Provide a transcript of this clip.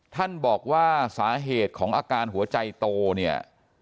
ท่านบอกว่าสาเหตุของอาการหัวใจโตเนี่ย